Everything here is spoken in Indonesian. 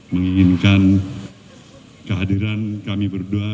menginginkan kehadiran kami berdua